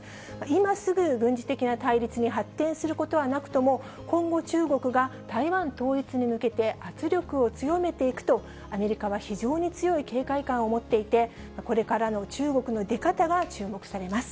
今すぐ軍事的な対立に発展することはなくとも、今後、中国が台湾統一に向けて、圧力を強めていくと、アメリカは非常に強い警戒感を持っていて、これからの中国の出方が注目されます。